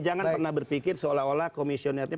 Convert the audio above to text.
jangan pernah berpikir seolah olah komisioner ini